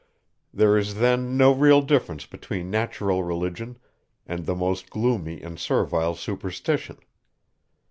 There is then no real difference between natural religion, and the most gloomy and servile superstition.